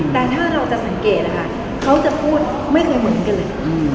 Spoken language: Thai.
แต่ถ้าเราจะสังเกตนะคะเขาจะพูดไม่เคยเหมือนกันเลย